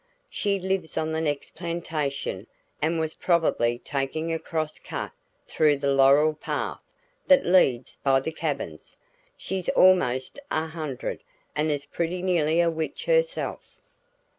"She lives on the next plantation and was probably taking a cross cut through the laurel path that leads by the cabins. She's almost a hundred and is pretty nearly a witch herself."